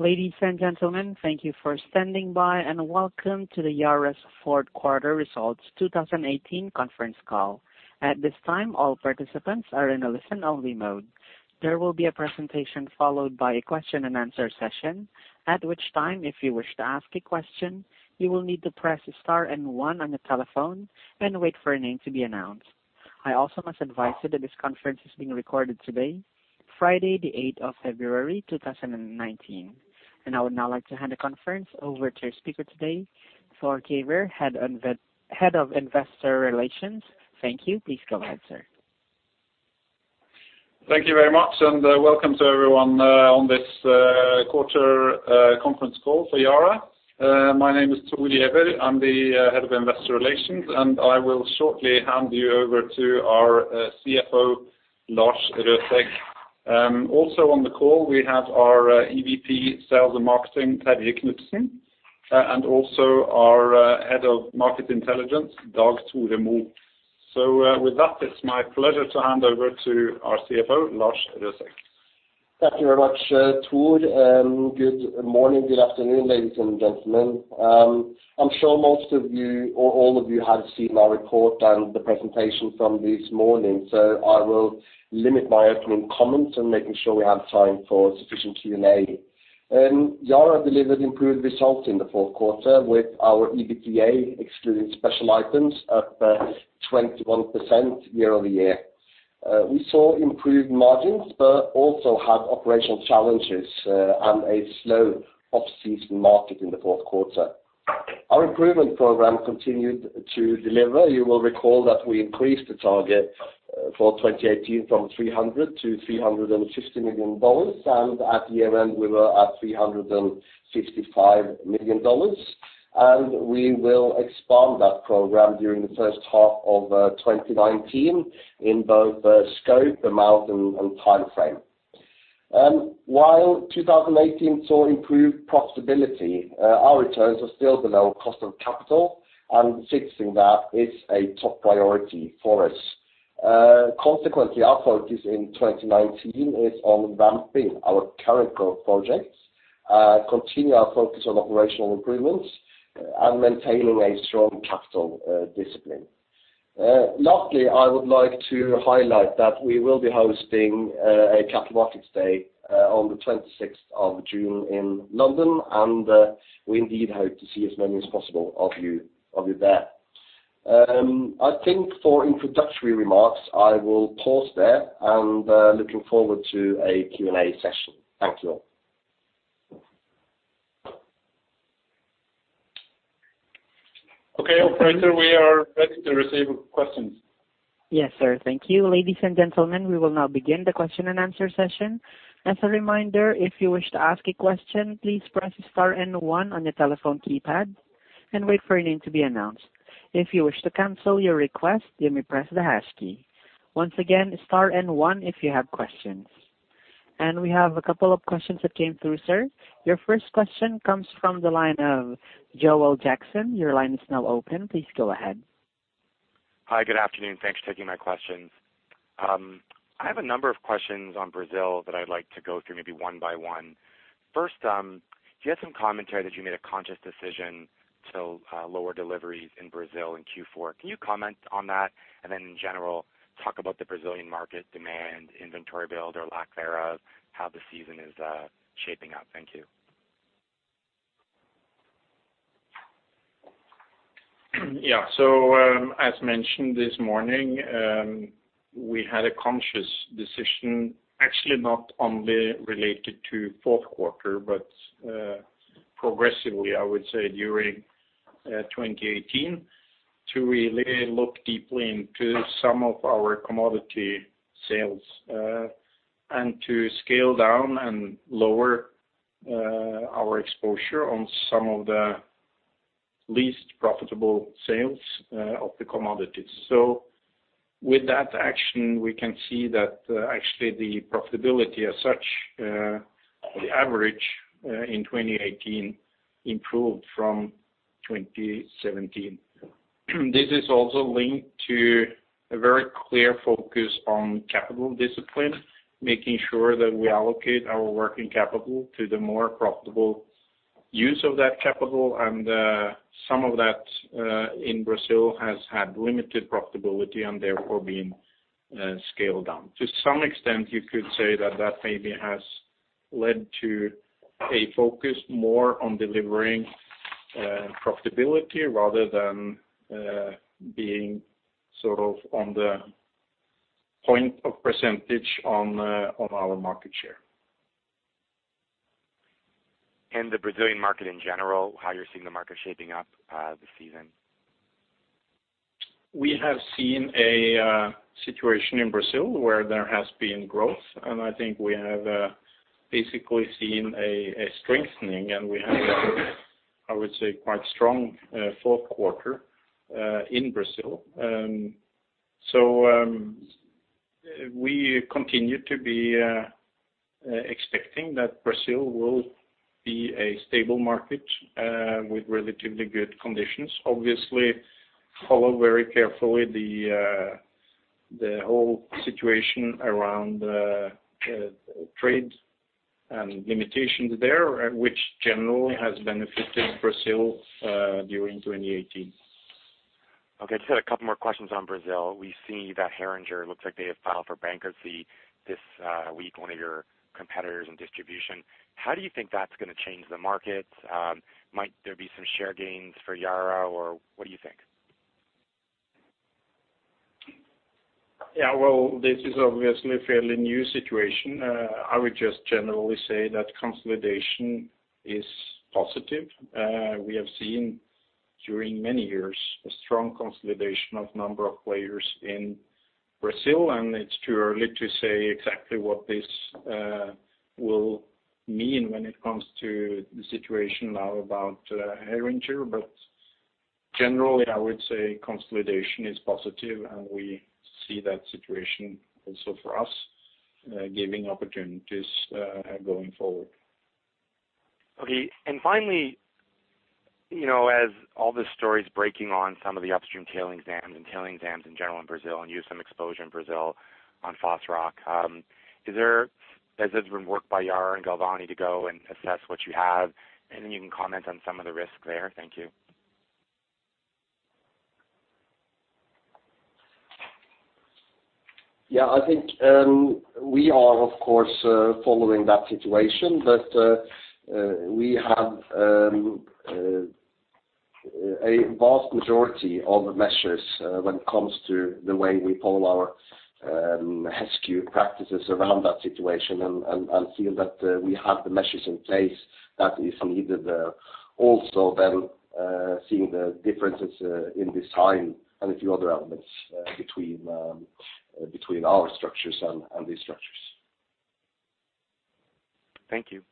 Ladies and gentlemen, thank you for standing by, welcome to the Yara's fourth quarter results 2018 conference call. At this time, all participants are in a listen-only mode. There will be a presentation followed by a question-and-answer session, at which time, if you wish to ask a question, you will need to press star and one on your telephone and wait for your name to be announced. I also must advise you that this conference is being recorded today, Friday the February 8th, 2019. I would now like to hand the conference over to your speaker today, Thor Giæver, Head of Investor Relations. Thank you. Please go ahead, sir. Thank you very much, welcome to everyone on this quarter conference call for Yara. My name is Thor Giæver, I'm the Head of Investor Relations, I will shortly hand you over to our CFO, Lars Røsæg. Also on the call, we have our EVP of Sales and Marketing, Terje Knutsen, also our Head of Market Intelligence, Dag Tore Mo. With that, it's my pleasure to hand over to our CFO, Lars Røsæg. Thank you very much, Thor. Good morning, good afternoon, ladies and gentlemen. I'm sure most of you or all of you have seen our report and the presentation from this morning, I will limit my opening comments and making sure we have time for sufficient Q&A. Yara delivered improved results in the fourth quarter with our EBITDA excluding special items up 21% year-over-year. We saw improved margins but also had operational challenges and a slow off-season market in the fourth quarter. Our improvement program continued to deliver. You will recall that we increased the target for 2018 from $300 million-$350 million. At year-end, we were at $355 million. We will expand that program during the first half of 2019 in both scope, amount, and timeframe. While 2018 saw improved profitability, our returns are still below cost of capital and fixing that is a top priority for us. Consequently, our focus in 2019 is on ramping our current growth projects, continue our focus on operational improvements, and maintaining a strong capital discipline. Lastly, I would like to highlight that we will be hosting a capital markets day on the June 26th in London, we indeed hope to see as many as possible of you there. I think for introductory remarks, I will pause there and looking forward to a Q&A session. Thank you all. Okay, operator, we are ready to receive questions. Yes, sir. Thank you. Ladies and gentlemen, we will now begin the question-and-answer session. As a reminder, if you wish to ask a question, please press star and one on your telephone keypad and wait for your name to be announced. If you wish to cancel your request, you may press the hash key. Once again, star and one if you have questions. We have a couple of questions that came through, sir. Your first question comes from the line of Joel Jackson. Your line is now open. Please go ahead. Hi, good afternoon. Thanks for taking my questions. I have a number of questions on Brazil that I'd like to go through, maybe one by one. First, you had some commentary that you made a conscious decision to lower deliveries in Brazil in Q4. Can you comment on that? Then in general, talk about the Brazilian market demand, inventory build or lack thereof, how the season is shaping up. Thank you. Yeah. As mentioned this morning, we had a conscious decision, actually not only related to fourth quarter, but progressively, I would say, during 2018, to really look deeply into some of our commodity sales, and to scale down and lower our exposure on some of the least profitable sales of the commodities. With that action, we can see that actually the profitability as such, the average, in 2018 improved from 2017. This is also linked to a very clear focus on capital discipline, making sure that we allocate our working capital to the more profitable use of that capital. Some of that in Brazil has had limited profitability and therefore being scaled down. To some extent, you could say that that maybe has led to a focus more on delivering profitability rather than being sort of on the point of percentage on our market share. The Brazilian market in general, how you're seeing the market shaping up this season? We have seen a situation in Brazil where there has been growth, and I think we have basically seen a strengthening, and we have, I would say, quite strong fourth quarter in Brazil. We continue to be expecting that Brazil will be a stable market with relatively good conditions. Obviously, follow very carefully the. The whole situation around trade and limitations there, which generally has benefited Brazil during 2018. Okay. Just had a couple more questions on Brazil. We see that Heringer looks like they have filed for bankruptcy this week, one of your competitors in distribution. How do you think that's going to change the market? Might there be some share gains for Yara, or what do you think? Yeah, well, this is obviously a fairly new situation. I would just generally say that consolidation is positive. We have seen during many years a strong consolidation of number of players in Brazil, and it's too early to say exactly what this will mean when it comes to the situation now about Heringer. Generally, I would say consolidation is positive, and we see that situation also for us giving opportunities going forward. Okay. Finally, as all the stories breaking on some of the upstream tailings dams and tailings dams in general in Brazil, you have some exposure in Brazil on phosphate rock, has there been work by Yara and Galvani to go and assess what you have? Then you can comment on some of the risks there. Thank you. Yeah, I think we are, of course, following that situation. We have a vast majority of the measures when it comes to the way we pull our HSEQ practices around that situation, and feel that we have the measures in place that is needed there. Seeing the differences in design and a few other elements between our structures and these structures. Thank you.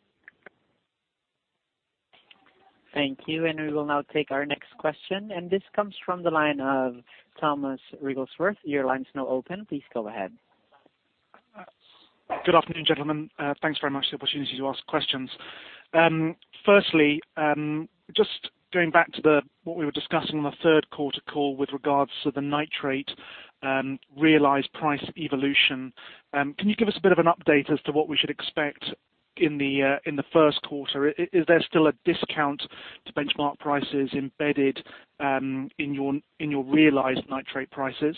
Thank you. We will now take our next question, and this comes from the line of Thomas Wrigglesworth. Your line is now open. Please go ahead. Good afternoon, gentlemen. Thanks very much for the opportunity to ask questions. Firstly, just going back to what we were discussing on the third quarter call with regards to the nitrate realized price evolution, can you give us a bit of an update as to what we should expect in the first quarter? Is there still a discount to benchmark prices embedded in your realized nitrate prices?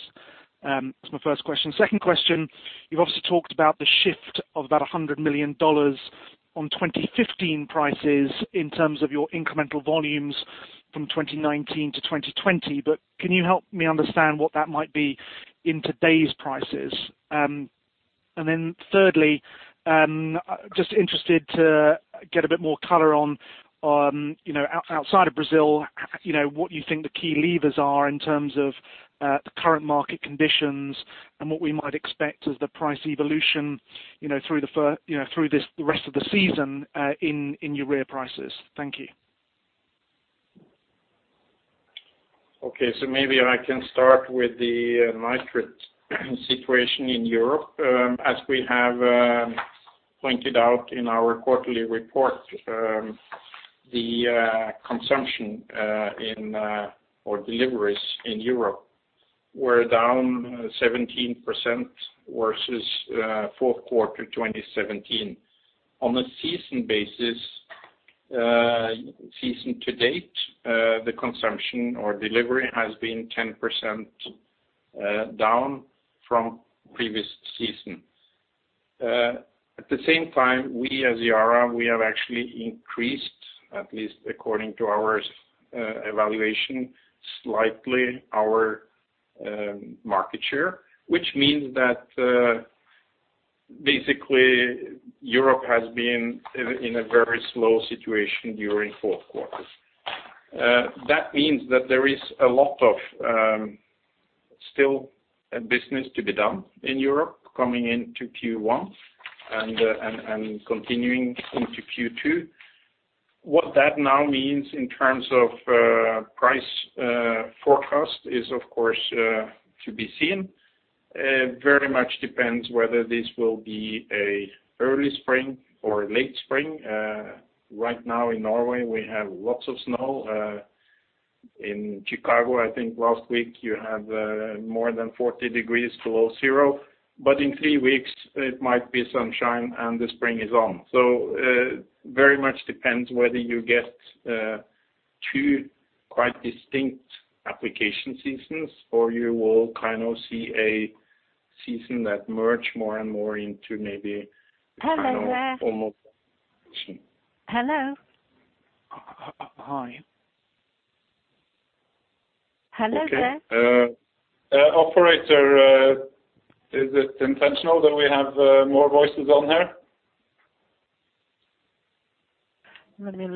That's my first question. Second question, you've obviously talked about the shift of about $100 million on 2015 prices in terms of your incremental volumes from 2019 to 2020, can you help me understand what that might be in today's prices? Thirdly, just interested to get a bit more color on outside of Brazil, what you think the key levers are in terms of the current market conditions and what we might expect as the price evolution through the rest of the season in urea prices. Thank you. Okay. Maybe I can start with the nitrate situation in Europe. As we have pointed out in our quarterly report, the consumption or deliveries in Europe were down 17% versus fourth quarter 2017. On a season basis, season to date, the consumption or delivery has been 10% down from previous seasons. At the same time, we as Yara, we have actually increased, at least according to our evaluation, slightly our market share, which means that basically Europe has been in a very slow situation during fourth quarter. That means that there is a lot of still business to be done in Europe coming into Q1 and continuing into Q2. What that now means in terms of price forecast is, of course, to be seen. Very much depends whether this will be an early spring or late spring. Right now in Norway, we have lots of snow. In Chicago, I think last week you have more than 40 degrees below zero, but in three weeks it might be sunshine and the spring is on. Very much depends whether you get two quite distinct application seasons, or you will kind of see a season that merge more and more into. Hello there. Hello? Hi. Hello there. Operator, is it intentional that we have more voices on here? Let me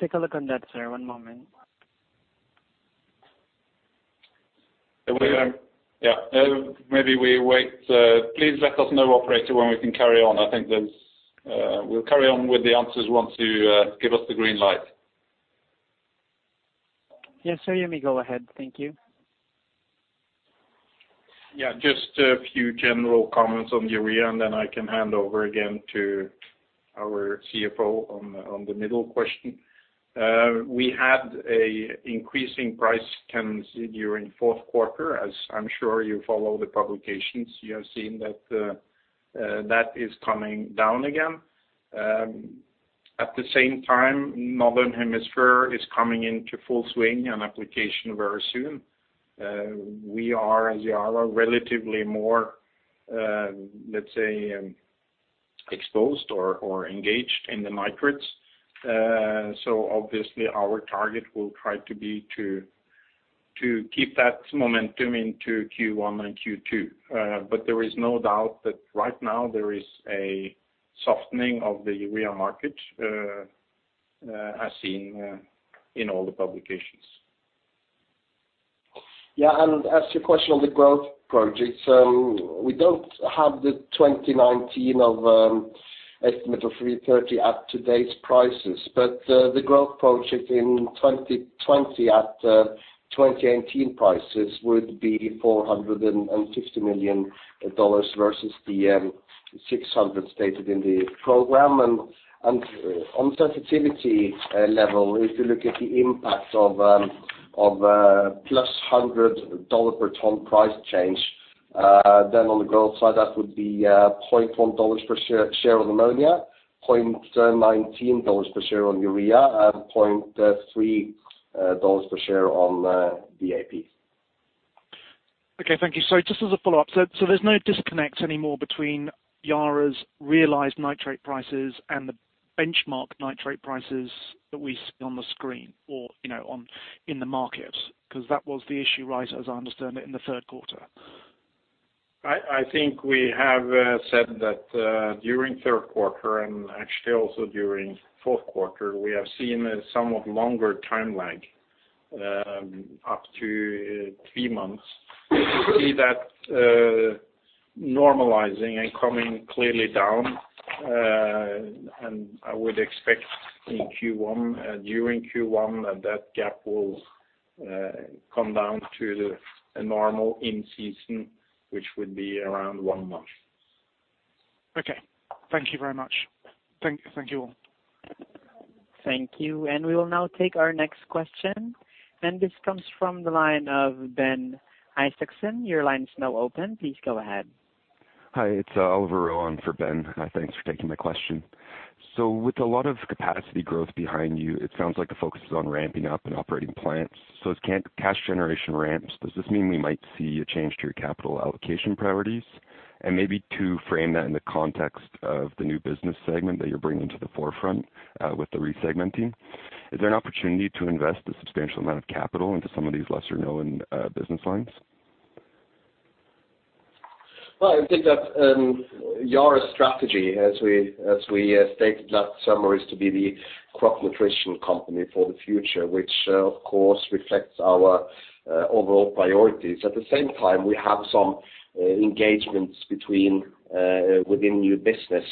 take a look on that, sir. One moment. Yeah. Maybe we wait. Please let us know, operator, when we can carry on. I think we'll carry on with the answers once you give us the green light. Yes, sir. You may go ahead. Thank you. Just a few general comments on urea and then I can hand over again to our CFO on the middle question. We had an increasing price tendency during fourth quarter, as I'm sure you follow the publications, you have seen that is coming down again. At the same time, northern hemisphere is coming into full swing and application very soon. We are, as Yara, relatively more, let's say, exposed or engaged in the nitrates. Obviously our target will try to be to keep that momentum into Q1 and Q2. There is no doubt that right now there is a softening of the urea market, as seen in all the publications. As to your question on the growth projects, we don't have the 2019 of estimate of 330 at today's prices. The growth project in 2020 at 2018 prices would be $450 million versus the 600 stated in the program. On sensitivity level, if you look at the impact of +$100/ton price change, then on the growth side, that would be $0.1 per share on ammonia, $0.19 per share on urea, and $0.3 per share on DAP. Okay, thank you. Just as a follow-up. There's no disconnect anymore between Yara's realized nitrate prices and the benchmark nitrate prices that we see on the screen or in the markets, because that was the issue, right, as I understand it in the third quarter. I think we have said that, during third quarter and actually also during fourth quarter, we have seen a somewhat longer time lag, up to three months. We see that normalizing and coming clearly down. I would expect in Q1, during Q1, that gap will come down to the normal in season, which would be around one month. Okay. Thank you very much. Thank you all. Thank you. We will now take our next question. This comes from the line of Ben Isaacson. Your line is now open. Please go ahead. Hi, it's Oliver Rowe for Ben. Thanks for taking my question. With a lot of capacity growth behind you, it sounds like the focus is on ramping up and operating plants. As cash generation ramps, does this mean we might see a change to your capital allocation priorities? Maybe to frame that in the context of the new business segment that you're bringing to the forefront, with the re-segmenting. Is there an opportunity to invest a substantial amount of capital into some of these lesser-known business lines? Well, I think that Yara's strategy, as we stated last summer, is to be the crop nutrition company for the future, which of course, reflects our overall priorities. At the same time, we have some engagements within new business,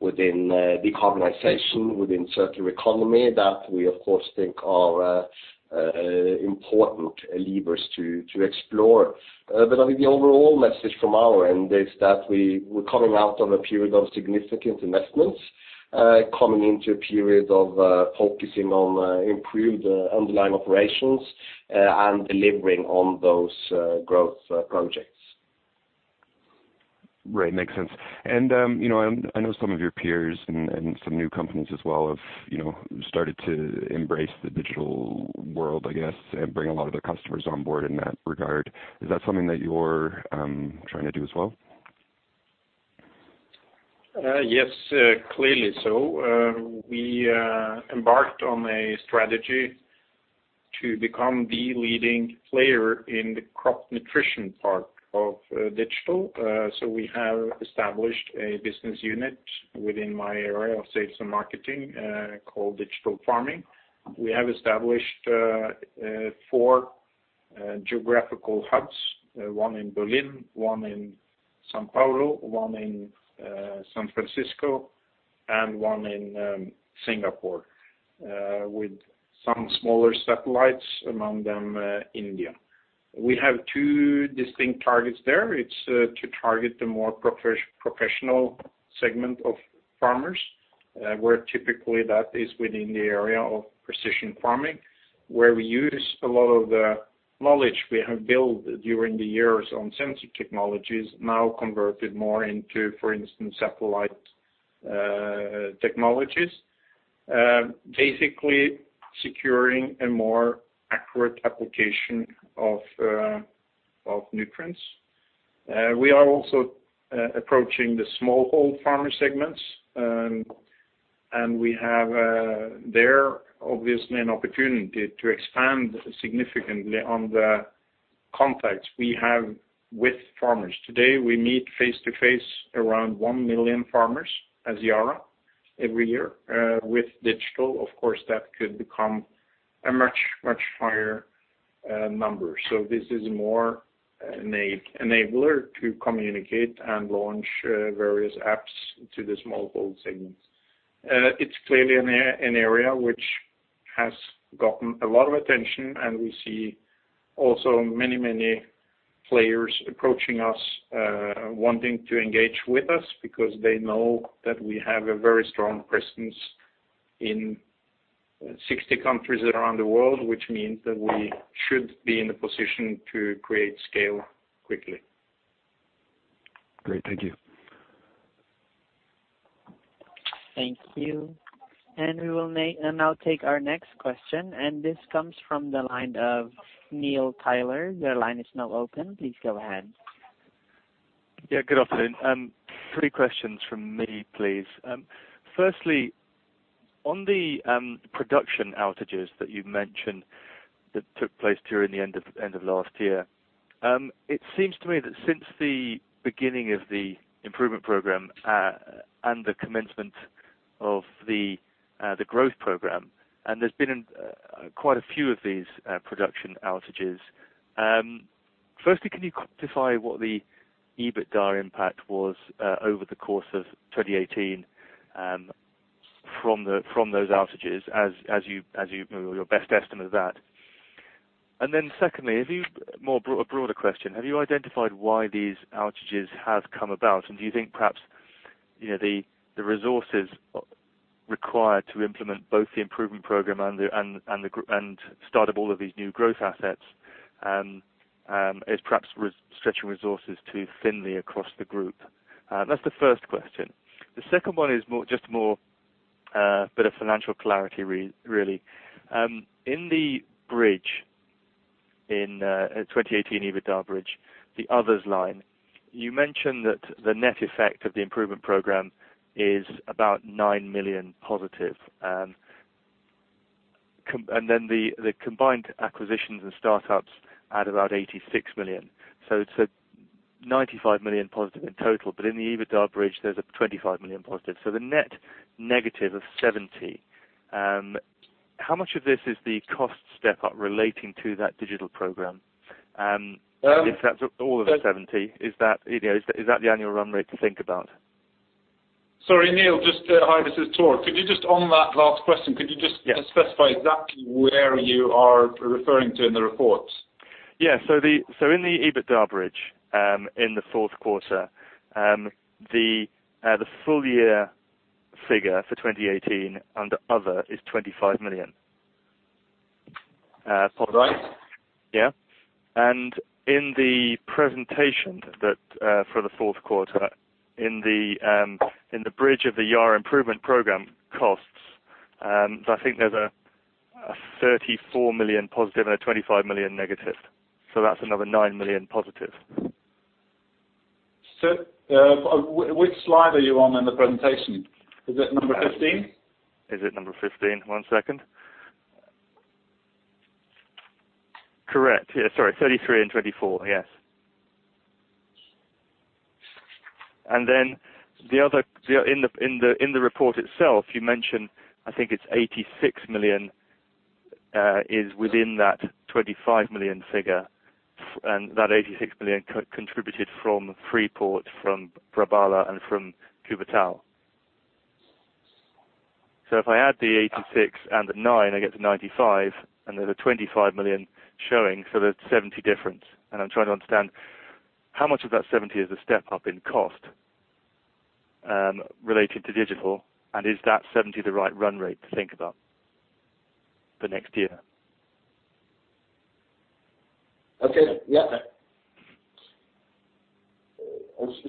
within decarbonization, within circular economy, that we of course, think are important levers to explore. I think the overall message from our end is that we're coming out of a period of significant investments, coming into a period of focusing on improved underlying operations and delivering on those growth projects. Right. Makes sense. I know some of your peers and some new companies as well have started to embrace the digital world, I guess, and bring a lot of their customers on board in that regard. Is that something that you're trying to do as well? Yes, clearly so. We embarked on a strategy to become the leading player in the crop nutrition part of digital. We have established a business unit within my area of sales and marketing, called Digital Farming. We have established four geographical hubs, one in Berlin, one in São Paulo, one in San Francisco, and one in Singapore, with some smaller satellites, among them India. We have two distinct targets there. It's to target the more professional segment of farmers, where typically that is within the area of precision farming, where we use a lot of the knowledge we have built during the years on sensor technologies, now converted more into, for instance, satellite technologies. Basically securing a more accurate application of nutrients. We are also approaching the smallholder farmer segments. We have there obviously an opportunity to expand significantly on the contacts we have with farmers. Today, we meet face to face around 1 million farmers as Yara every year. With digital, of course, that could become a much, much higher number. This is more an enabler to communicate and launch various apps to the smallholder segment. It's clearly an area which has gotten a lot of attention. We see also many players approaching us wanting to engage with us because they know that we have a very strong presence in 60 countries around the world, which means that we should be in a position to create scale quickly. Great. Thank you. Thank you. We will now take our next question. This comes from the line of Neil Tyler. Your line is now open. Please go ahead. Good afternoon. Three questions from me, please. Firstly, on the production outages that you mentioned that took place during the end of last year. It seems to me that since the beginning of the Improvement Program and the commencement of the Growth Program, there's been quite a few of these production outages. Firstly, can you quantify what the EBITDA impact was over the course of 2018 from those outages, as your best estimate of that? Then secondly, a broader question, have you identified why these outages have come about? Do you think perhaps, the resources required to implement both the Improvement Program and the start of all of these new growth assets is perhaps stretching resources too thinly across the group? That's the first question. The second one is just more a bit of financial clarity really. In the bridge, in 2018 EBITDA bridge, the others line, you mentioned that the net effect of the improvement program is about $9 million positive. The combined acquisitions and startups add about $86 million. It's a $95 million positive in total, but in the EBITDA bridge, there's a $25 million positive, the net negative of $70. How much of this is the cost step up relating to that digital program? If that's all of the $70, is that the annual run rate to think about? Sorry, Neil, hi, this is Thor. On that last question, could you just specify exactly where you are referring to in the report? In the EBITDA bridge, in the fourth quarter, the full year figure for 2018 under other is $25 million. Right. In the presentation for the fourth quarter, in the bridge of the Yara Improvement Program costs, I think there's a $34 million positive and a $25 million negative. That's another $9 million positive. Which slide are you on in the presentation? Is it number 15? Is it number 15? One second. Correct. Sorry, 33 and 24. Yes. Then in the report itself, you mentioned, I think it's $86 million, is within that $25 million figure, and that $86 million contributed from Freeport, from Babrala, and from Cubatão. If I add the $86 million and the nine, I get to $95 million, and there's a $25 million showing, there's $70 million difference. I'm trying to understand how much of that $70 million is a step up in cost related to digital, and is that $70 the right run rate to think about for next year? Okay.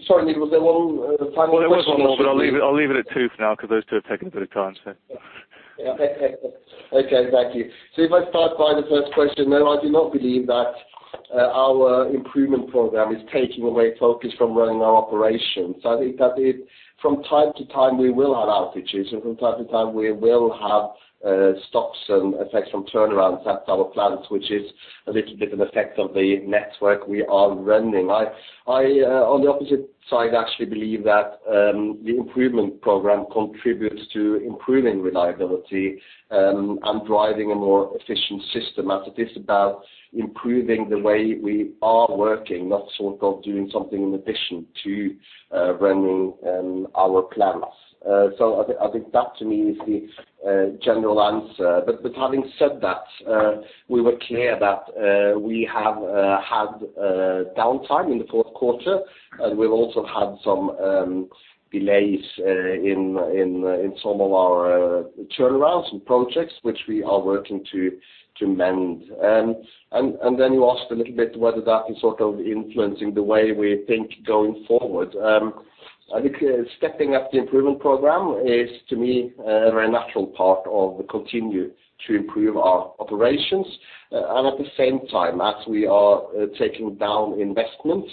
Sorry, Neil, was there one final question? Well, there was one more, but I'll leave it at two for now because those two have taken a bit of time. Okay. Thank you. If I start by the first question, no, I do not believe that our improvement program is taking away focus from running our operations. I think that from time to time, we will have outages, and from time to time, we will have stops and effects from turnarounds at our plants, which is a little bit of an effect of the network we are running. I, on the opposite side, actually believe that the improvement program contributes to improving reliability and driving a more efficient system, as it is about improving the way we are working, not sort of doing something in addition to running our plants. I think that to me is the general answer. Having said that, we were clear that we have had downtime in the fourth quarter, and we've also had some delays in some of our turnarounds and projects, which we are working to mend. You asked a little bit whether that is sort of influencing the way we think going forward. I think stepping up the improvement program is, to me, a very natural part of the continue to improve our operations. At the same time, as we are taking down investments,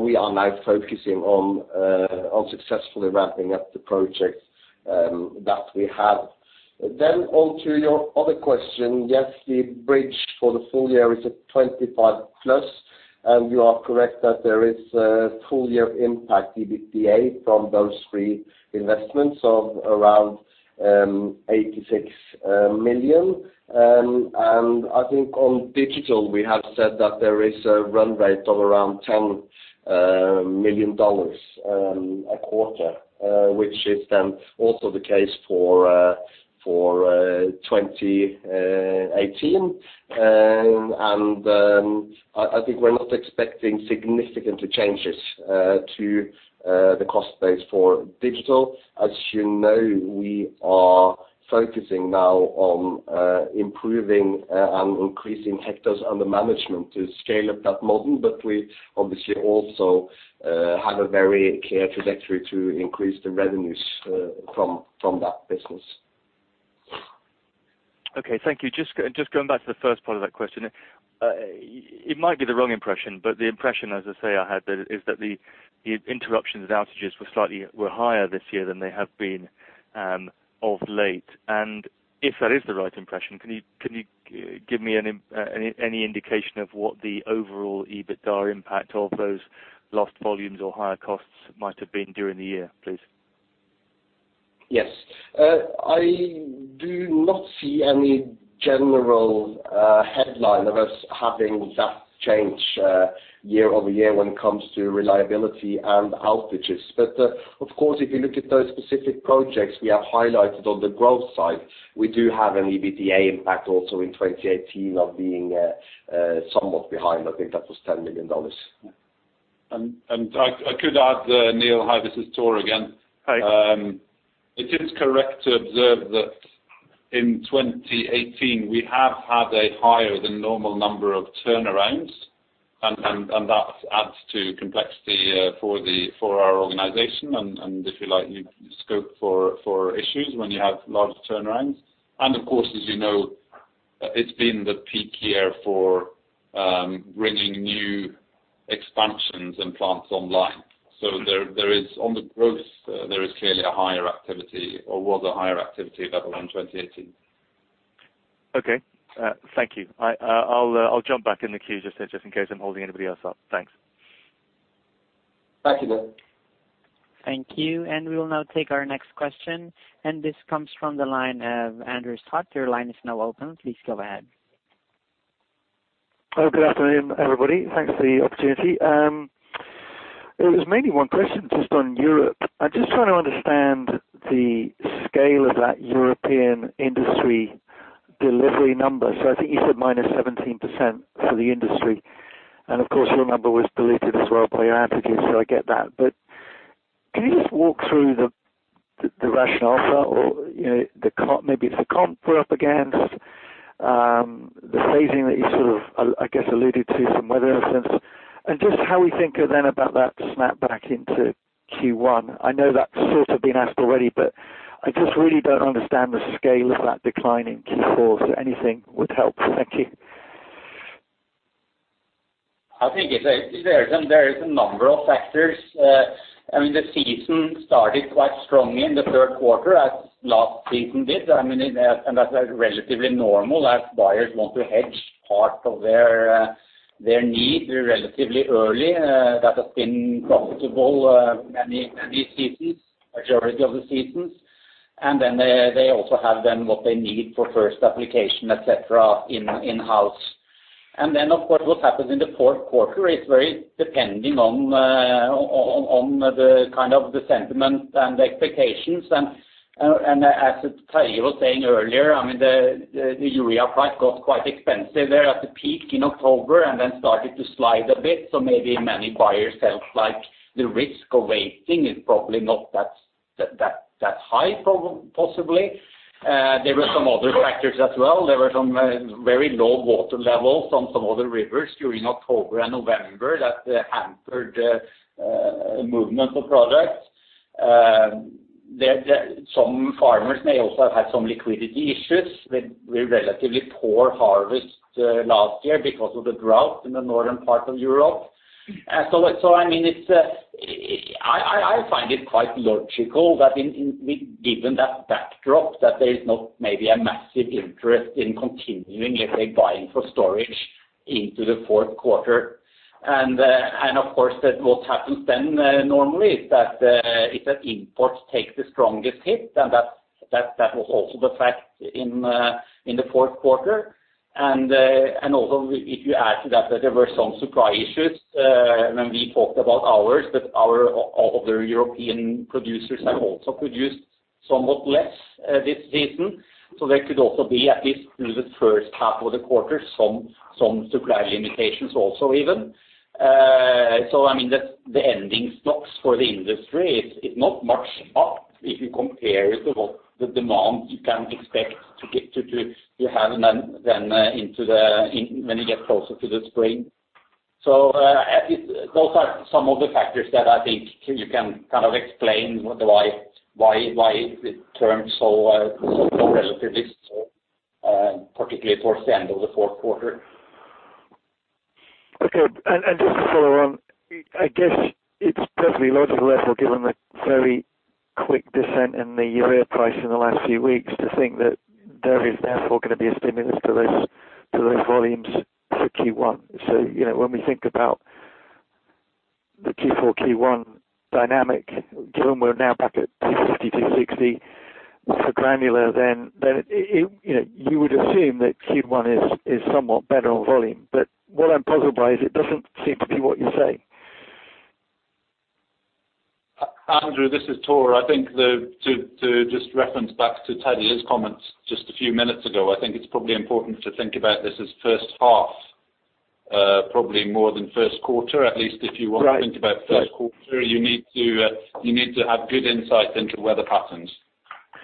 we are now focusing on successfully wrapping up the projects that we have. On to your other question, yes, the bridge for the full year is at 25+, and you are correct that there is a full year impact, EBITDA, from those three investments of around $86 million. I think on digital, we have said that there is a run rate of around $10 million a quarter, which is then also the case for 2018. I think we're not expecting significant changes to the cost base for digital. As you know, we are focusing now on improving and increasing hectares under management to scale up that model. We obviously also have a very clear trajectory to increase the revenues from that business. Okay, thank you. Just going back to the first part of that question. It might be the wrong impression, but the impression, as I say I had, is that the interruptions and outages were higher this year than they have been of late. If that is the right impression, can you give me any indication of what the overall EBITDA impact of those lost volumes or higher costs might have been during the year, please? Yes. I do not see any general headline of us having that change year-over-year when it comes to reliability and outages. Of course, if you look at those specific projects we have highlighted on the growth side, we do have an EBITDA impact also in 2018 of being somewhat behind. I think that was $10 million. I could add, Neil. Hi, this is Thor again. Hi. It is correct to observe that in 2018, we have had a higher than normal number of turnarounds, and that adds to complexity for our organization and, if you like, scope for issues when you have a lot of turnarounds. Of course, as you know, it's been the peak year for bringing new expansions and plants online. There is, on the growth, there is clearly a higher activity or was a higher activity level in 2018. Okay. Thank you. I'll jump back in the queue just in case I'm holding anybody else up. Thanks. Thank you, Neil. Thank you. We will now take our next question, and this comes from the line of Andrew Stott. Your line is now open. Please go ahead. Hello. Good afternoon, everybody. Thanks for the opportunity. It was mainly one question just on Europe. I am just trying to understand the scale of that European industry delivery number. I think you said minus 17% for the industry, and of course, your number was diluted as well by your outages, so I get that. Can you just walk through the rationale for or maybe it is the comp we are up against, the phasing that you sort of, I guess, alluded to some weather in a sense, and just how we think then about that snapback into Q1. I know that is sort of been asked already, but I just really do not understand the scale of that decline in Q4, anything would help. Thank you. I think there is a number of factors. The season started quite strongly in the third quarter as last season did. That is relatively normal as buyers want to hedge part of their need relatively early. That has been profitable many seasons, majority of the seasons. They also have then what they need for first application, et cetera, in-house. Of course, what happens in the fourth quarter is very dependent on the kind of the sentiment and the expectations. As Terje was saying earlier, the urea price got quite expensive there at the peak in October and then started to slide a bit. Maybe many buyers felt like the risk of waiting is probably not that high, possibly. There were some other factors as well. There were some very low water levels on some other rivers during October and November that hampered the movement of product. Some farmers may also have had some liquidity issues with relatively poor harvest last year because of the drought in the northern part of Europe. I find it quite logical that given that backdrop, that there is not maybe a massive interest in continuing with a buying for storage into the fourth quarter. Of course, what happens then normally is that imports take the strongest hit, and that was also the fact in the fourth quarter. Also, if you add to that there were some supply issues when we talked about ours, that our other European producers have also produced somewhat less this season. There could also be, at least through the first half of the quarter, some supply limitations also even. The ending stocks for the industry is not much up if you compare it with what the demand you can expect to have then when you get closer to the spring. Those are some of the factors that I think you can kind of explain why it turned so relatively slow, particularly towards the end of the fourth quarter. Okay. Just to follow on, I guess it's perfectly logical, therefore, given the very quick descent in the urea price in the last few weeks to think that there is therefore going to be a stimulus to those volumes for Q1. When we think about the Q4, Q1 dynamic, given we're now back at $250, $260 granular, then you would assume that Q1 is somewhat better on volume. What I'm puzzled by is it doesn't seem to be what you say. Andrew, this is Thor. I think to just reference back to Terje, his comments just a few minutes ago, I think it's probably important to think about this as first half, probably more than first quarter. Right. To think about first quarter, you need to have good insight into weather patterns.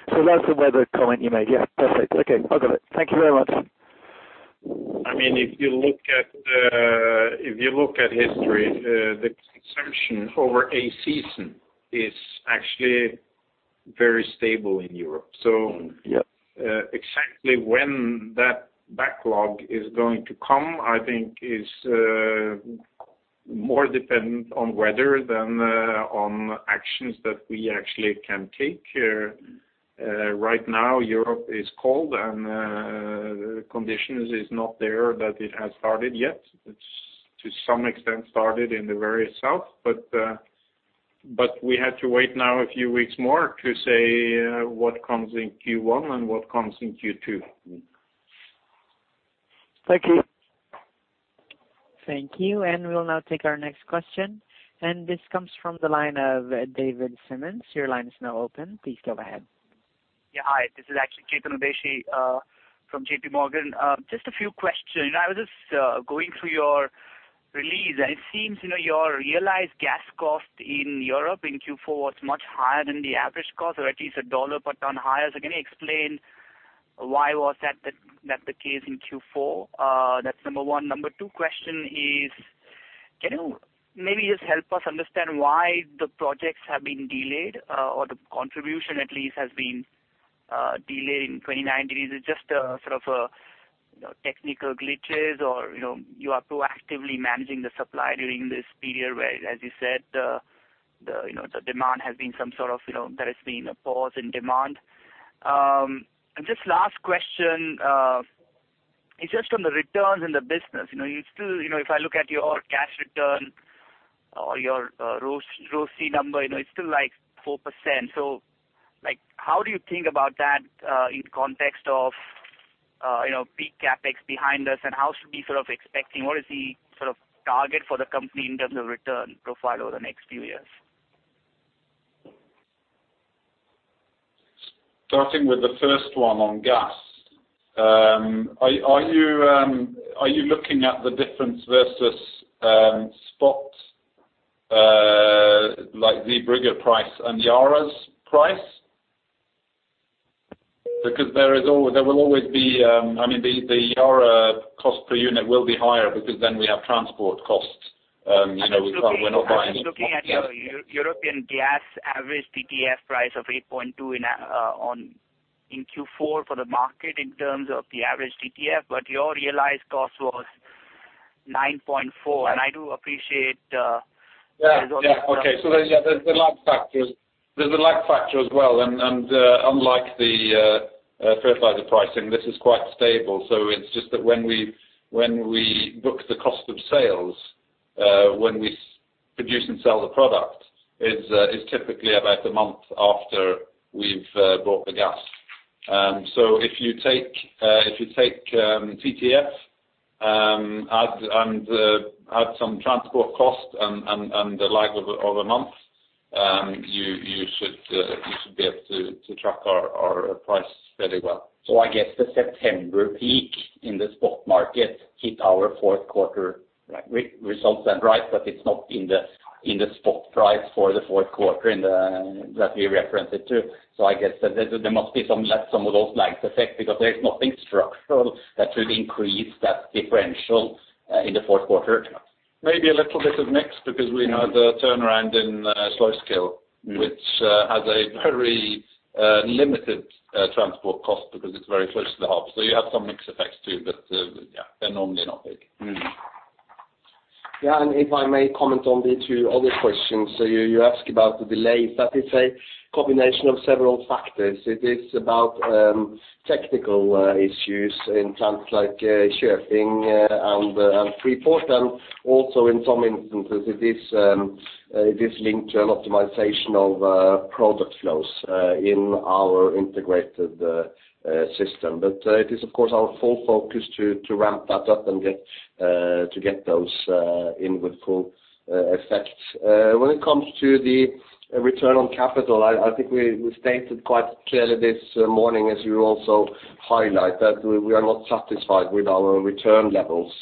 That's the weather comment you made. Yeah, perfect. Okay, got it. Thank you very much. If you look at history, the consumption over a season is actually very stable in Europe. Yep. Exactly when that backlog is going to come, I think is more dependent on weather than on actions that we actually can take. Right now, Europe is cold and the condition is not there that it has started yet. It's to some extent started in the very south. We had to wait now a few weeks more to say what comes in Q1 and what comes in Q2. Thank you. Thank you. We'll now take our next question, and this comes from the line of David Silver. Your line is now open. Please go ahead. Hi, this is actually Chetan Udeshi from JPMorgan. Just a few questions. I was just going through your release, it seems your realized gas cost in Europe in Q4 was much higher than the average cost, or at least $1/ton higher. Can you explain why was that the case in Q4? That's number one. Number two question is, can you maybe just help us understand why the projects have been delayed, or the contribution at least has been delayed in 2019? Is it just a sort of technical glitches or you are proactively managing the supply during this period where, as you said, there has been a pause in demand? Just last question, is just on the returns in the business. If I look at your cash return or your ROC number, it's still 4%. How do you think about that in context of peak CapEx behind us, and how should we sort of expecting, what is the target for the company in terms of return profile over the next few years? Starting with the first one on gas. Are you looking at the difference versus spot, like the Brygger price and Yara's price? There will always be The Yara cost per unit will be higher because then we have transport costs. I'm just looking at your European gas average TTF price of 8.2 in Q4 for the market in terms of the average TTF, your realized cost was 9.4. Yeah. Okay. There's the lag factors. There's a lag factor as well, unlike the fertilizer pricing, this is quite stable. It's just that when we book the cost of sales, when we produce and sell the product, is typically about a month after we've bought the gas. If you take TTF, add some transport cost and the lag of a month, you should be able to track our price fairly well. I guess the September peak in the spot market hit our fourth quarter results, right that it's not in the spot price for the fourth quarter that we referenced it to. I guess there must be some of those lag effects because there is nothing structural that should increase that differential in the fourth quarter. Maybe a little bit of mix because we had a turnaround in Sløvåg, which has a very limited transport cost because it's very close to the hub. You have some mix effects too, but yeah, they're normally not big. Yeah, if I may comment on the two other questions. You ask about the delays. That is a combination of several factors. It is about technical issues in plants like Köping and Freeport, and also in some instances, it is linked to an optimization of product flows in our integrated system. It is, of course, our full focus to ramp that up and to get those in with full effect. When it comes to the return on capital, I think we stated quite clearly this morning, as you also highlight, that we are not satisfied with our return levels.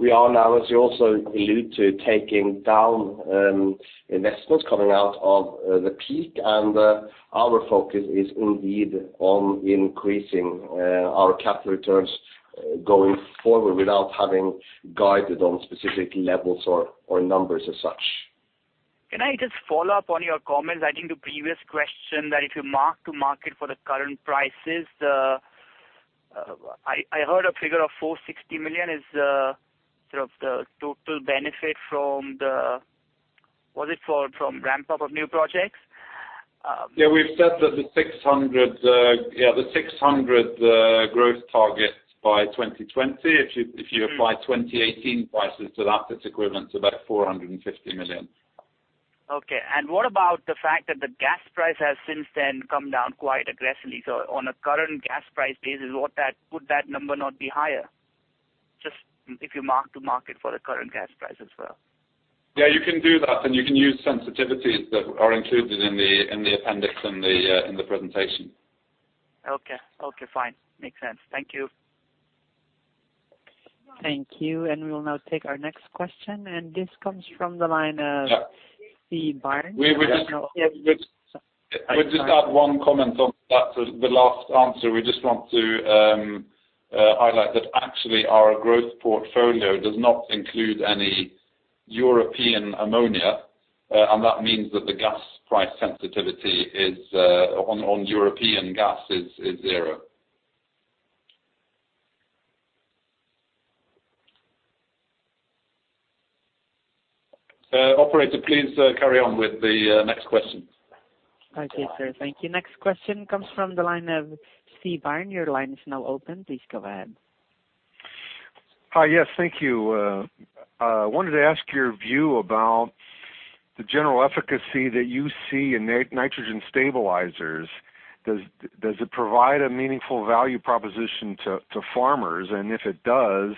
We are now, as you also allude to, taking down investments coming out of the peak, and our focus is indeed on increasing our capital returns going forward without having guided on specific levels or numbers as such. Can I just follow up on your comments? I think the previous question that if you mark to market for the current prices, I heard a figure of $460 million is the total benefit from the Was it from ramp-up of new projects? Yeah, we've said that the $600 growth target by 2020, if you apply 2018 prices to that, it's equivalent to about $450 million. Okay. What about the fact that the gas price has since then come down quite aggressively? On a current gas price basis, would that number not be higher? Just if you mark-to-market for the current gas price as well. Yeah, you can do that, you can use sensitivities that are included in the appendix in the presentation. Okay. Okay, fine. Makes sense. Thank you. Thank you. We will now take our next question, this comes from the line of Steve Byrne. We just had one comment on that, the last answer. We just want to highlight that actually our growth portfolio does not include any European ammonia. That means that the gas price sensitivity on European gas is zero. Operator, please carry on with the next question. Okay, sir. Thank you. Next question comes from the line of Steve Byrne. Your line is now open. Please go ahead. Hi. Yes, thank you. I wanted to ask your view about the general efficacy that you see in nitrogen stabilizers. Does it provide a meaningful value proposition to farmers? If it does,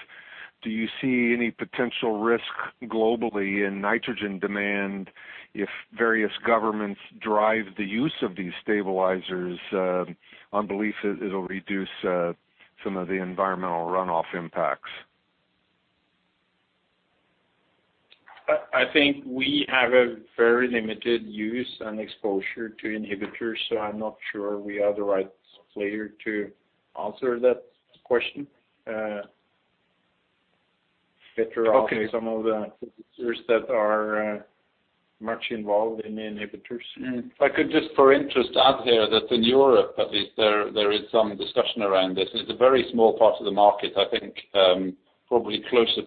do you see any potential risk globally in nitrogen demand if various governments drive the use of these stabilizers on belief it will reduce some of the environmental runoff impacts? I think we have a very limited use and exposure to inhibitors, I am not sure we are the right player to answer that question. Okay. Better off some of the distributors that are much involved in the inhibitors. If I could just for interest add here that in Europe at least, there is some discussion around this. It is a very small part of the market, I think probably closer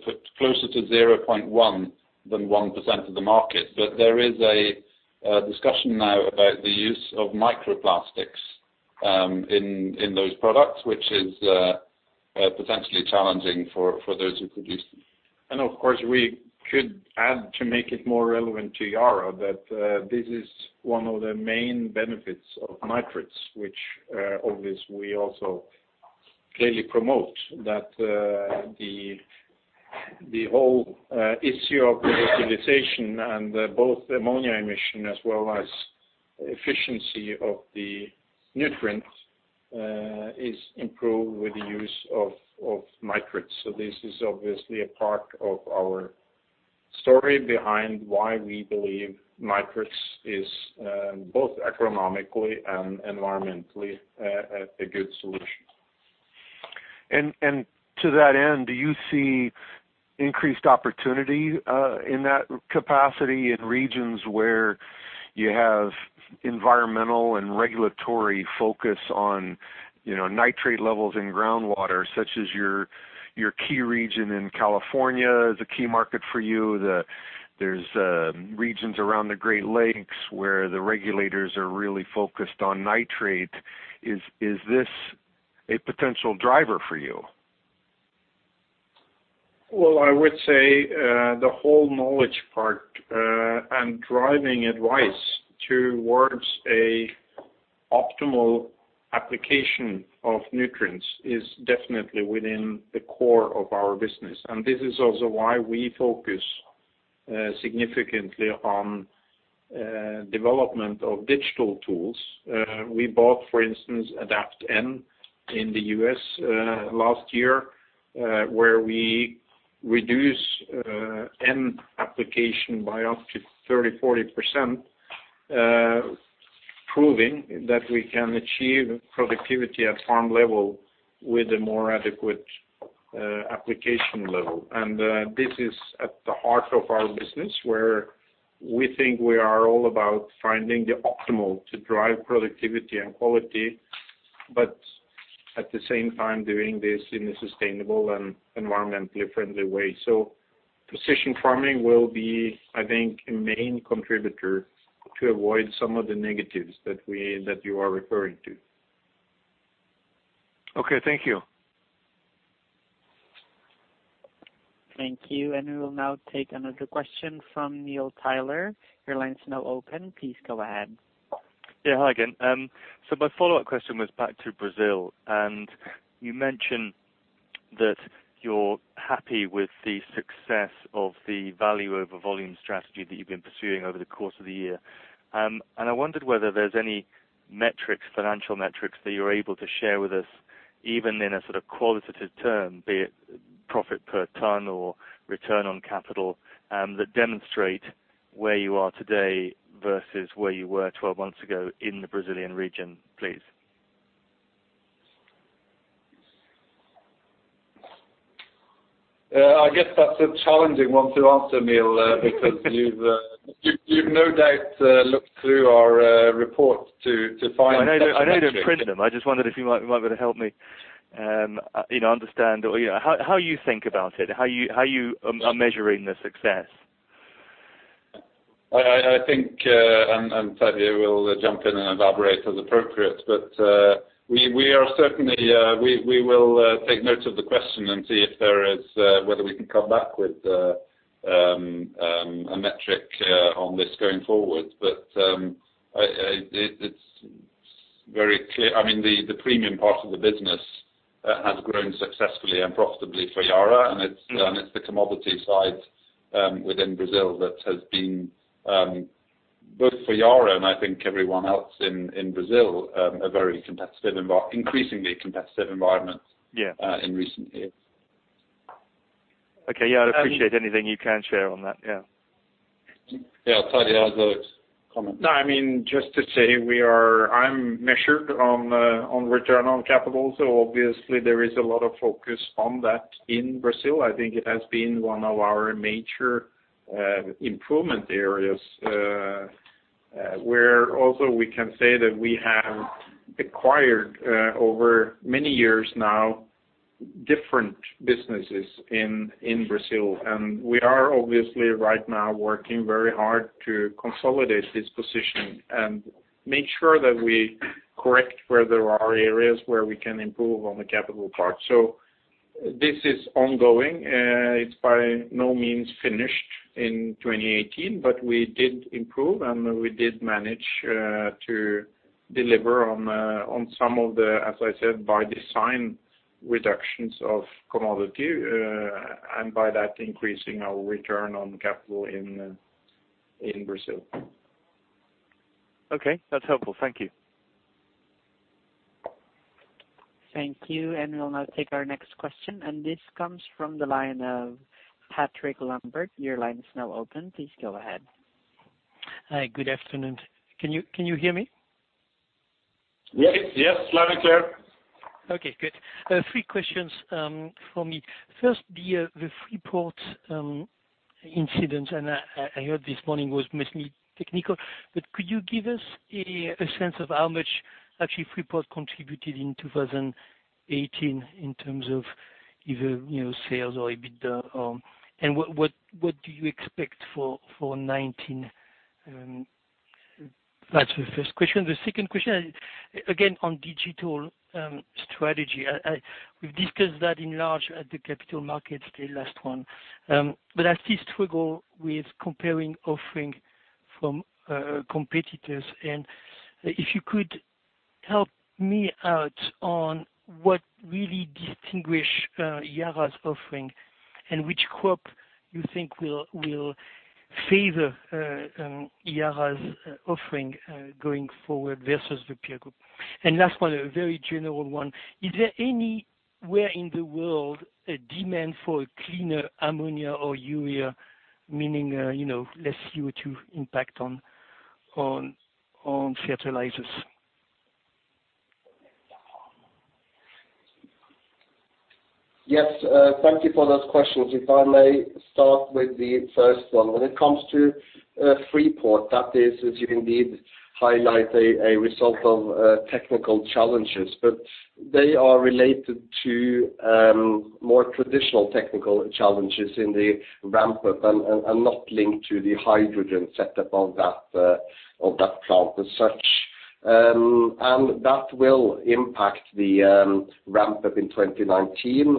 to 0.1% than 1% of the market. There is a discussion now about the use of microplastics in those products, which is potentially challenging for those who produce them. Of course, we could add to make it more relevant to Yara that this is one of the main benefits of nitrates, which obviously we also clearly promote that the whole issue of the fertilization and both ammonia emission as well as efficiency of the nutrients is improved with the use of nitrates. This is obviously a part of our story behind why we believe nitrates is both economically and environmentally a good solution. To that end, do you see increased opportunity in that capacity in regions where you have environmental and regulatory focus on nitrate levels in groundwater, such as your key region in California is a key market for you? There is regions around the Great Lakes where the regulators are really focused on nitrate. Is this a potential driver for you? I would say the whole knowledge part and driving advice towards an optimal application of nutrients is definitely within the core of our business. This is also why we focus significantly on development of digital tools. We bought, for instance, Adapt-N in the U.S. last year, where we reduce N application by up to 30%, 40%, proving that we can achieve productivity at farm level with a more adequate application level. This is at the heart of our business, where we think we are all about finding the optimal to drive productivity and quality, but at the same time doing this in a sustainable and environmentally friendly way. Precision farming will be, I think, a main contributor to avoid some of the negatives that you are referring to. Okay, thank you. Thank you. We will now take another question from Neil Tyler. Your line is now open. Please go ahead. Yeah, hi again. My follow-up question was back to Brazil, and you mentioned that you're happy with the success of the value over volume strategy that you've been pursuing over the course of the year. I wondered whether there's any financial metrics that you're able to share with us, even in a sort of qualitative term, be it profit per ton or return on capital, that demonstrate where you are today versus where you were 12 months ago in the Brazilian region, please. I guess that's a challenging one to answer, Neil, because you've no doubt looked through our reports to find such a metric. I know they're in print. I just wondered if you might be able to help me understand how you think about it, how you are measuring the success. I think, Terje will jump in and elaborate as appropriate, but we will take note of the question and see whether we can come back with a metric on this going forward. But it's Very clear. The premium part of the business has grown successfully and profitably for Yara, it's the commodity side within Brazil that has been, both for Yara and I think everyone else in Brazil, a very increasingly competitive environment in recent years. Okay. I'd appreciate anything you can share on that. I'll tell you, I'll go comment. Just to say I'm measured on return on capital, so obviously there is a lot of focus on that in Brazil. I think it has been one of our major improvement areas, where also we can say that we have acquired, over many years now, different businesses in Brazil. We are obviously right now working very hard to consolidate this position and make sure that we correct where there are areas where we can improve on the capital part. This is ongoing. It's by no means finished in 2018. We did improve and we did manage to deliver on some of the, as I said, by design, reductions of commodity, and by that, increasing our return on capital in Brazil. Okay. That's helpful. Thank you. Thank you. We'll now take our next question. This comes from the line of Patrick Lambert. Your line is now open. Please go ahead. Hi. Good afternoon. Can you hear me? Yes. Loud and clear. Okay, good. Three questions from me. First, the Freeport incident. I heard this morning was mostly technical, but could you give us a sense of how much actually Freeport contributed in 2018 in terms of either sales or EBITDA? What do you expect for 2019? That's the first question. The second question, again, on digital strategy. We've discussed that in large at the capital markets day last one. I still struggle with comparing offering from competitors. If you could help me out on what really distinguish Yara's offering, and which crop you think will favor Yara's offering going forward versus the peer group. Last one, a very general one. Is there anywhere in the world a demand for a cleaner ammonia or urea, meaning, less CO2 impact on fertilizers? Yes. Thank you for those questions. If I may start with the first one. When it comes to Freeport, that is indeed highlight a result of technical challenges. They are related to more traditional technical challenges in the ramp-up and not linked to the hydrogen setup of that plant as such. That will impact the ramp-up in 2019.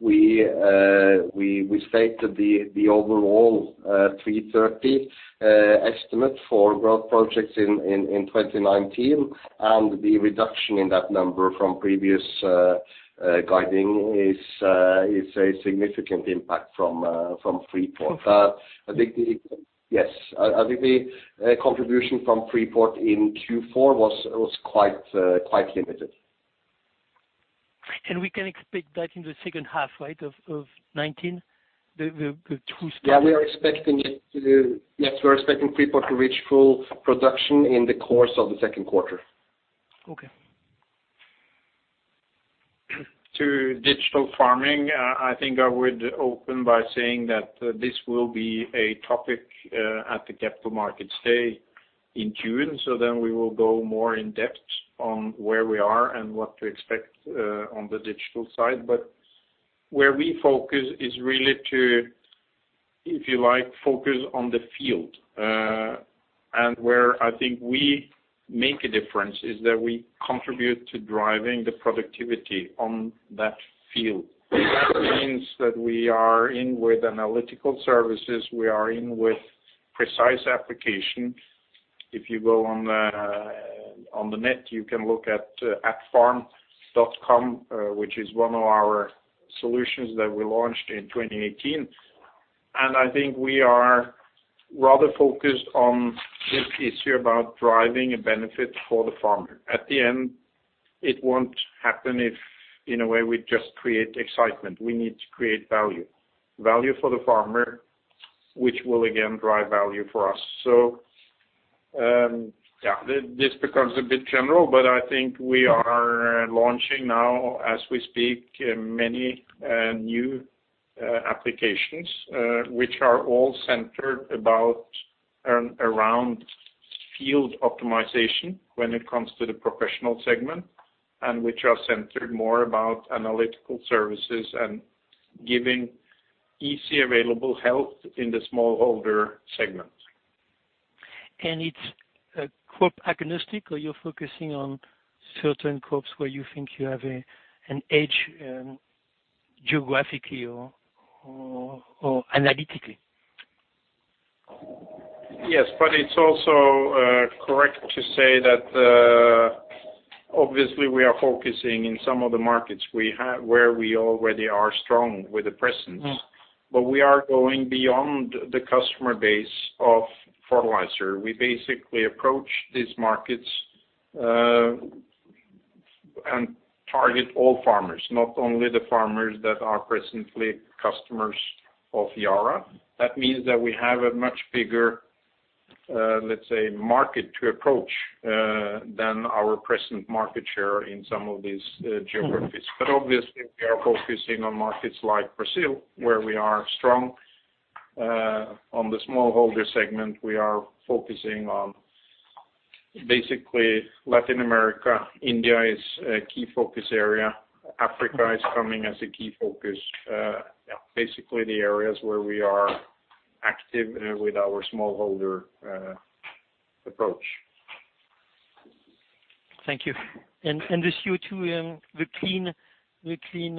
We stated the overall $330 estimate for growth projects in 2019 and the reduction in that number from previous guiding is a significant impact from Freeport. Yes. I think the contribution from Freeport in Q4 was quite limited. We can expect that in the second half, right, of 2019? Yeah, we are expecting Freeport to reach full production in the course of the second quarter. Okay. To Digital Farming, I think I would open by saying that this will be a topic at the capital markets day in June. Then we will go more in depth on where we are and what to expect on the digital side. Where we focus is really to, if you like, focus on the field. Where I think we make a difference is that we contribute to driving the productivity on that field. That means that we are in with analytical services. We are in with precise application. If you go on the net, you can look atfarm.com, which is one of our solutions that we launched in 2018. I think we are rather focused on this issue about driving a benefit for the farmer. At the end, it won't happen if, in a way, we just create excitement. We need to create value. Value for the farmer, which will again drive value for us. This becomes a bit general, but I think we are launching now as we speak, many new applications, which are all centered around field optimization when it comes to the professional segment, and which are centered more about analytical services and giving easy available help in the smallholder segment. It's crop agnostic, or you're focusing on certain crops where you think you have an edge geographically or analytically? Yes, it's also correct to say that obviously we are focusing in some of the markets where we already are strong with the presence. We are going beyond the customer base of fertilizer. We basically approach these markets and target all farmers, not only the farmers that are presently customers of Yara. That means that we have a much bigger, let's say, market to approach than our present market share in some of these geographies. Obviously, we are focusing on markets like Brazil, where we are strong. On the smallholder segment, we are focusing on basically Latin America. India is a key focus area. Africa is coming as a key focus. Basically, the areas where we are active with our smallholder approach. Thank you. The CO2, the clean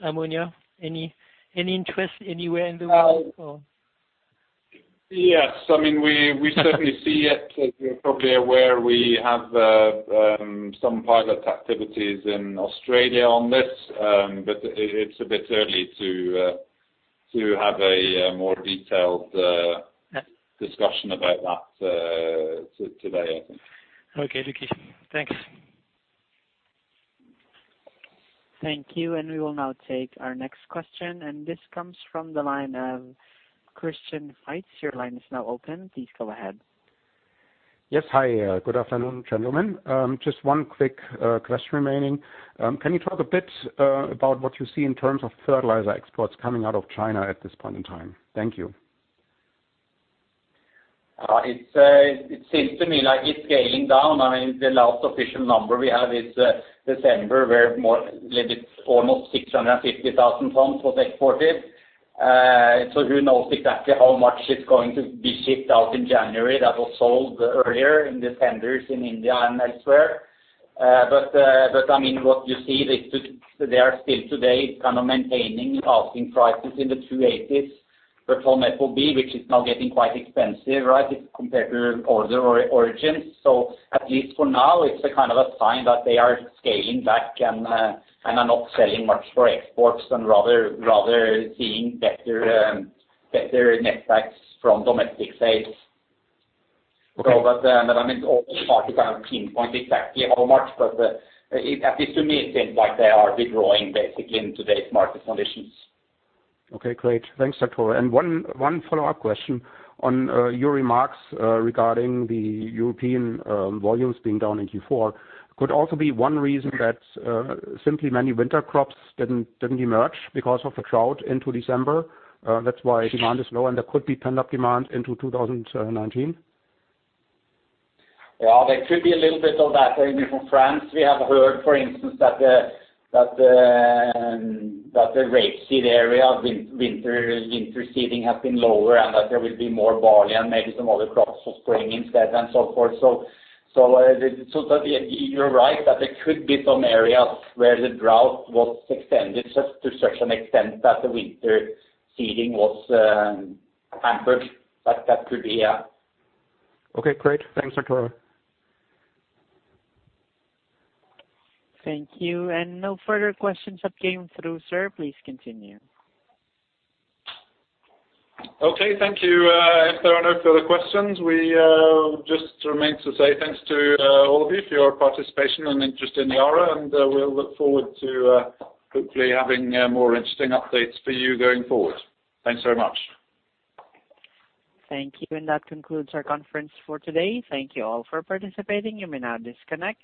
ammonia. Any interest anywhere in the world or? Yes. We certainly see it. As you're probably aware, we have some pilot activities in Australia on this. It's a bit early to have a more detailed discussion about that today, I think. Okay, Terje. Thanks. Thank you. We will now take our next question, and this comes from the line of Christian Faitz. Your line is now open. Please go ahead. Yes. Hi, good afternoon, gentlemen. Just one quick question remaining. Can you talk a bit about what you see in terms of fertilizer exports coming out of China at this point in time? Thank you. It seems to me like it's scaling down. The last official number we have is December, where almost 650,000 tons was exported. Who knows exactly how much is going to be shipped out in January that was sold earlier in December in India and elsewhere. What you see, they are still today kind of maintaining asking prices in the $280s for ton FOB, which is now getting quite expensive, right, compared to other origins. At least for now, it's a kind of a sign that they are scaling back and are not selling much for exports and rather seeing better net backs from domestic sales. It's always hard to kind of pinpoint exactly how much, but at least to me, it seems like they are withdrawing basically in today's market conditions. Okay, great. Thanks, Dag Tore. One follow-up question on your remarks regarding the European volumes being down in Q4. Could also be one reason that simply many winter crops didn't emerge because of the drought into December, that's why demand is low, and there could be pent-up demand into 2019? Yeah, there could be a little bit of that. From France, we have heard, for instance, that the rapeseed area, winter seeding has been lower and that there will be more barley and maybe some other crops for spring instead and so forth. You're right that there could be some areas where the drought was extended to such an extent that the winter seeding was hampered. That could be, yeah. Okay, great. Thanks, Dag Tore. Thank you. No further questions have come through, sir. Please continue. Okay, thank you. If there are no further questions, we just remain to say thanks to all of you for your participation and interest in Yara, and we'll look forward to hopefully having more interesting updates for you going forward. Thanks very much. Thank you. That concludes our conference for today. Thank you all for participating. You may now disconnect.